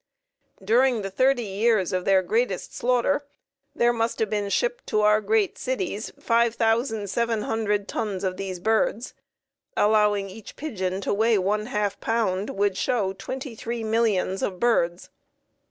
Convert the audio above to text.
During the thirty years of their greatest slaughter there must have been shipped to our great cities 5,700 tons of these birds; allowing each pigeon to weigh one half pound would show twenty three millions of birds.